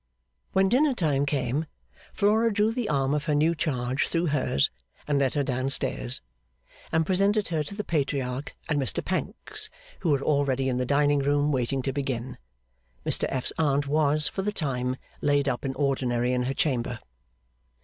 When dinner time came, Flora drew the arm of her new charge through hers, and led her down stairs, and presented her to the Patriarch and Mr Pancks, who were already in the dining room waiting to begin. (Mr F.'s Aunt was, for the time, laid up in ordinary in her chamber.)